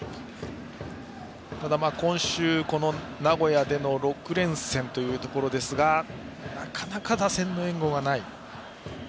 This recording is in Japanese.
ただ今週はこの名古屋での６連戦というところですがなかなか打線の援護がない。